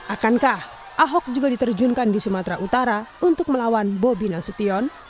akankah ahok juga diterjunkan di sumatera utara untuk melawan bobi nasution